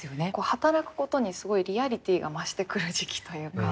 働くことにすごいリアリティーが増してくる時期というか。